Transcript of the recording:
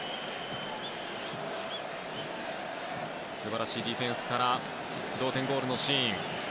素晴らしいディフェンスから同点ゴールのシーン。